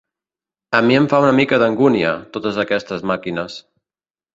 A mi em fan una mica d'angúnia, totes aquestes màquines.